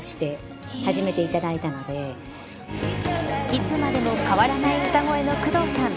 いつまでも変わらない歌声の工藤さん。